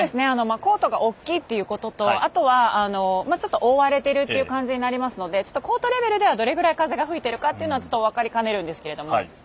コートが大きいということとちょっと覆われてるという感じますので、コートレベルではどのくらい風が吹いてるのか分かりかねるんですけど。